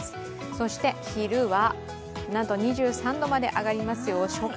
そして昼はなんと２３度まで上がりますよ。